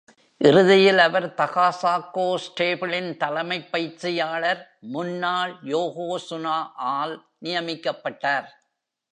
இறுதியில் அவர் தகாசாகோ ஸ்டேபிளின் தலைமைப் பயிற்சியாளர், முன்னாள் "யோகோசுனா" -ஆல் நியமிக்கப்பட்டார்.